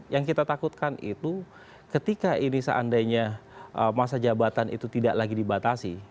yang kita takutkan itu ketika ini seandainya masa jabatan itu tidak lagi dibatasi